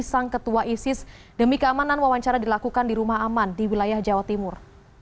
sang ketua isis demi keamanan wawancara dilakukan di rumah aman di wilayah jawa timur